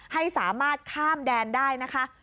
ให้สามารถข้ามแดนได้นะคะ